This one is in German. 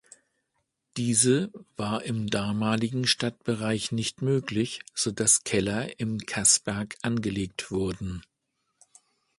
Diese war im damaligen Stadtbereich nicht möglich, sodass Keller im Kaßberg angelegt wurden.